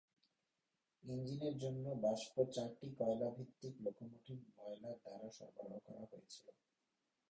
ইঞ্জিনের জন্য বাষ্প চারটি কয়লা ভিত্তিক লোকোমোটিভ বয়লার দ্বারা সরবরাহ করা হয়েছিল।